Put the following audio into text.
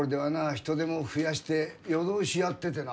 人手も増やして夜通しやっててな。